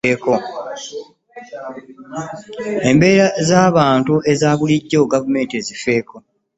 Embeera z'abantu eza bulijjo Gavumenti ezifeeko.